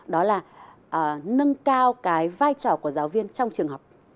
đó là nâng cao cái vai trò của giáo viên trong trường học